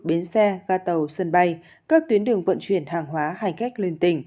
bến xe ga tàu sân bay các tuyến đường vận chuyển hàng hóa hành khách liên tỉnh